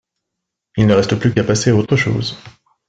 Il ne reste plus qu'à passer à autre chose